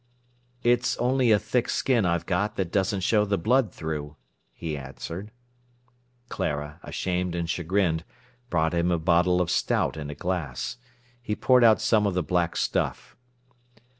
"It's only a thick skin I've got that doesn't show the blood through," he answered. Clara, ashamed and chagrined, brought him a bottle of stout and a glass. He poured out some of the black stuff.